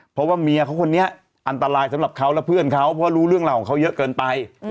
เพราะว่าเมียเขาคนนี้อันตรายสำหรับเขาและเพื่อนเขาเพราะรู้เรื่องราวของเขาเยอะเกินไป